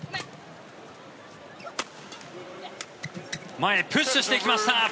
前、プッシュしてきました。